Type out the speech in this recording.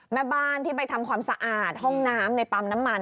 แม่บ้านที่ไปทำความสะอาดห้องน้ำในปั๊มน้ำมัน